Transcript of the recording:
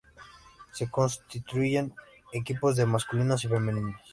Se constituyen equipos de masculinos y femeninos.